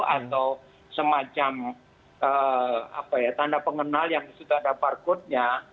atau semacam apa ya tanda pengenal yang sudah ada parkurnya